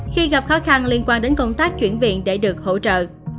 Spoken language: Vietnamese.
khi gặp khó khăn liên quan đến công tác chuyển viện để được hỗ trợ